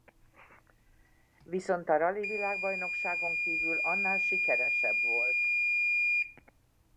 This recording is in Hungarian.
Viszont a Rali Világbajnokságon kívül annál sikeresebb volt!